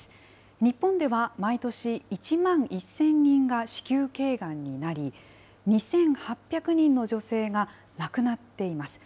日本では毎年１万１０００人が子宮けいがんになり、２８００人の女性が亡くなっています。